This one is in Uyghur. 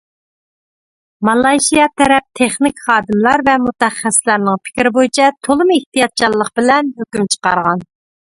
مالايشىيا تەرەپ تېخنىك خادىملار ۋە مۇتەخەسسىسلەرنىڭ پىكرى بويىچە تولىمۇ ئېھتىياتچانلىق بىلەن ھۆكۈم چىقارغان.